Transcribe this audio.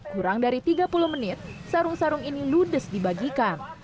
kurang dari tiga puluh menit sarung sarung ini ludes dibagikan